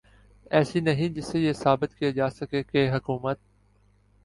ایسی نہیں جس سے یہ ثابت کیا جا سکے کہ حکومت